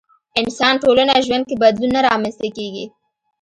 انسان ټولنه ژوند کې بدلون نه رامنځته کېږي.